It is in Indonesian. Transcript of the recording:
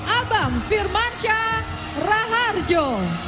abang firmancha raharjo